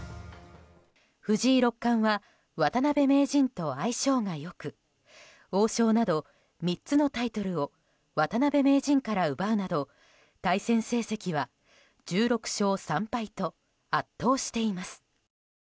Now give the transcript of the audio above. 藤井六冠は渡辺名人と相性が良く王将など３つのタイトルを渡辺名人から奪うなど対戦成績は１６勝３敗と圧倒しています。